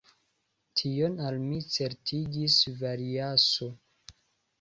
Tion al mi certigis Variaso.